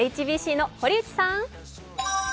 ＨＢＣの堀内さん。